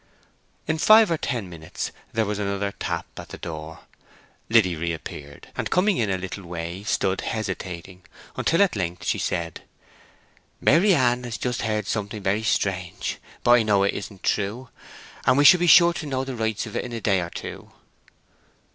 In five or ten minutes there was another tap at the door. Liddy reappeared, and coming in a little way stood hesitating, until at length she said, "Maryann has just heard something very strange, but I know it isn't true. And we shall be sure to know the rights of it in a day or two."